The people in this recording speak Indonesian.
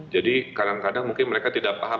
jadi kadang kadang mungkin mereka tidak paham